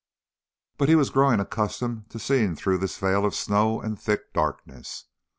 But he was growing accustomed to seeing through this veil of snow and thick darkness.